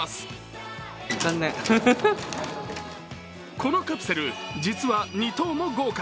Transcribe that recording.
このカプセル、実は２等も豪華。